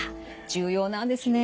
重要なんですね。